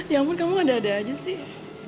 ya ampun kamu nggak ada aja sih